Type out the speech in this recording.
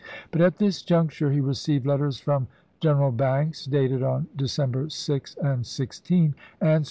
But at this juncture he received letters from Gen eral Banks, dated on December 6 and 16, answer isea.